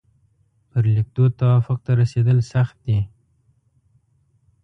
پر لیکدود توافق ته رسېدل سخت دي.